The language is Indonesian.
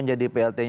dan yang dipilih itu